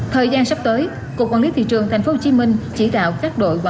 thời gian sắp tới cục quản lý thị trường tp hcm chỉ đạo các đội và